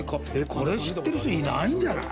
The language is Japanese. これ、知ってる人、いないんじゃない？